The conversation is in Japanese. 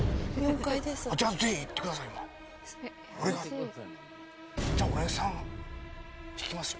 じゃあ、ぜひいってくださいよ。